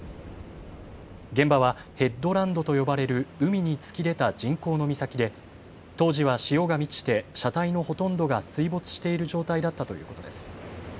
現場はヘッドランドと呼ばれる海に突き出た人工の岬で当時は潮が満ちて車体のほとんどが水没している状態だったということです。